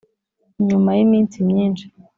nyuma y’iminsi myinshi